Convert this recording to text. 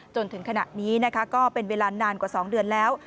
จนถึงขณะนี้นะคะก็เป็นเวลานานกว่า๒เดือนแล้ว